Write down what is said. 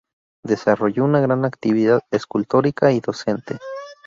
Desarrolló una gran actividad escultórica y docente.